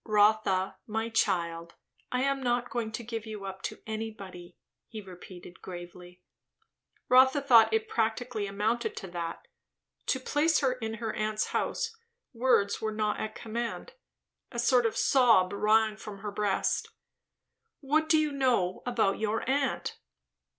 "Rotha my child I am not going to give you up to anybody," he repeated gravely. Rotha thought it practically amounted to that, to place her in her aunt's house; words were not at command. A sort of sob wrung from her breast. "What do you know about your aunt?"